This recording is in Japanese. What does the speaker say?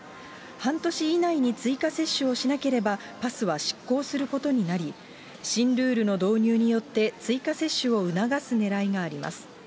半年以内に追加接種をしなければパスは失効することになり、新ルールの導入によって、追加接種を促すねらいがあります。